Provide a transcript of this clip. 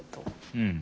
うん。